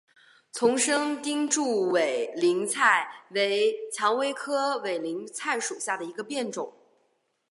丛生钉柱委陵菜为蔷薇科委陵菜属下的一个变种。